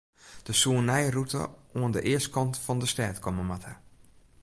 Der soe in nije rûte oan de eastkant fan de stêd komme moatte.